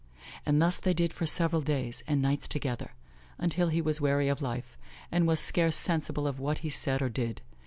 And thus they did for several days and nights together, until he was weary of his life, and was scarce sensible of what he said or did.